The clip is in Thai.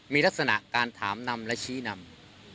มีลักษณะการถามนำและชี้นำ